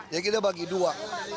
jadi kita bagi dua